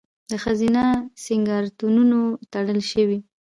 د ښځینه سینګارتونونه تړل شوي؟